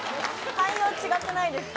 対応違くないですか？